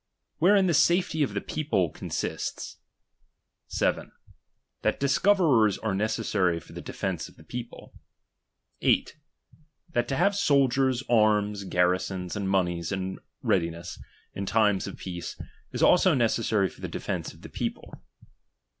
Wherein the safety of the people consists. 7 Thai discoverers are necessary for the defence of the people 8. That to have soldiers, arms, garrisons, and moneys in rea diness, in time of peace, is also necessary for the defence of the people.